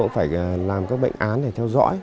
phải làm các bệnh án để theo dõi